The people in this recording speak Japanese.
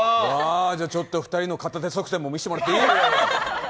ちょっと２人の片手側転も見せてもらっていい？